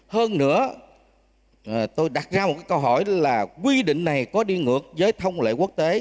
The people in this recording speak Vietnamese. hơn nữa tôi đặt ra một câu hỏi là quy định này có đi ngược với thông lệ quốc tế